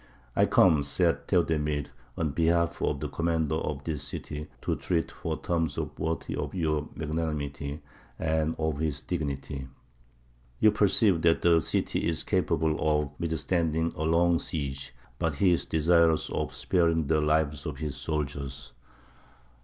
"I come," said Theodemir, "on behalf of the commander of this city to treat for terms worthy of your magnanimity and of his dignity. You perceive that the city is capable of withstanding a long siege; but he is desirous of sparing the lives of his soldiers.